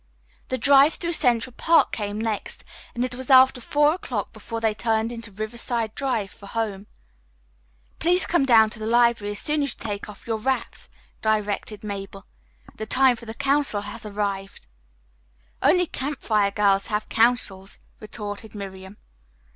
The drive through Central Park came next, and it was after four o'clock before they turned into Riverside Drive for home. "Please come down to the library as soon as you take off your wraps," directed Mabel. "The time for the council has arrived." "Only Campfire girls have councils," retorted Miriam.